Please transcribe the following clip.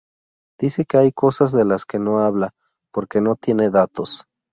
Dice que hay cosas de las que no habla porque no tiene datos.